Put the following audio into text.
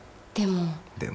でも。